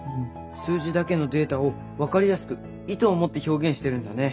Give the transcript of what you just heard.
数字だけのデータを分かりやすく意図を持って表現してるんだね。